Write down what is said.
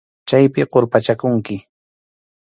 Chaypi qurpachakunki.